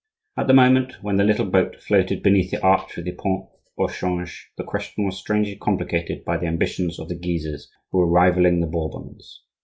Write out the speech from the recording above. At the moment when the little boat floated beneath the arch of the pont au Change the question was strangely complicated by the ambitions of the Guises, who were rivalling the Bourbons.